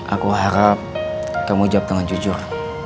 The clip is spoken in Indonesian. aku harap kamu jawab dengan jujur